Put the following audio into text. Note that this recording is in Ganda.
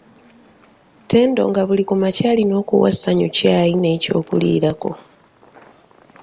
Ttendo nga buli ku makya alina okuwa Ssanyu kyayi n'ekyokuliraako.